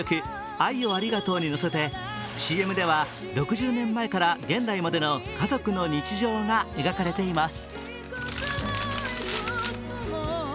「愛をありがとう」にのせてＣＭでは６０年前から現代までの家族の日常が描かれています。